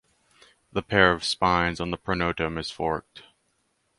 The pair of spines on the pronotum is forked.